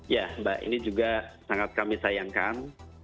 ya mbak ini juga sangat kami sayangkan